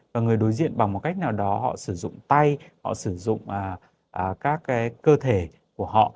và người đối diện bằng một cách nào đó họ sử dụng tay họ sử dụng các cơ thể của họ